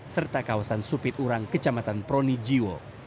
serta kawasan supit urang kecamatan pronijiwo